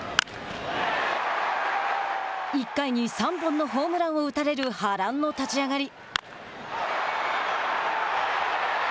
１回に３本のホームランを打たれる波乱の立ち上がり。